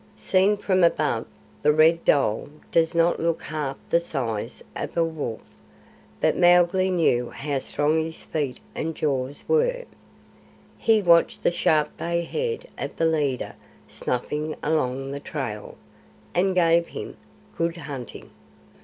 Seen from above, the red dhole does not look half the size of a wolf, but Mowgli knew how strong his feet and jaws were. He watched the sharp bay head of the leader snuffing along the trail, and gave him "Good hunting!"